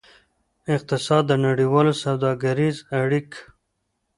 اقتصاد د نړیوالو سوداګریزو اړیک